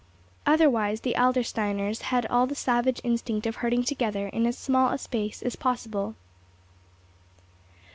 Otherwise the Adlersteiners had all the savage instinct of herding together in as small a space as possible.